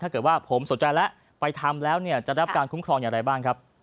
ถ้าเกิดว่าผมสนใจแล้วไปทำแล้วจะรับการคุ้มครองอย่างไรบ้าง